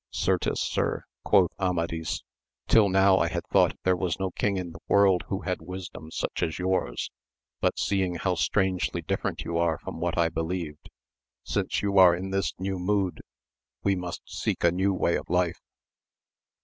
Certes sir, quoth Amadis, till now AMADIS OF GAUL. 109 I thought there was no king in the world who had wisdom such as yours ; but seeing how strangely different you are from what I believed, since you are in this new mood we must seek a new way of life.